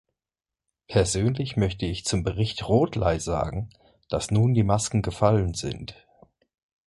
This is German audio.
Persönlich möchte ich zum Bericht Rothley sagen, dass nun die Masken gefallen sind.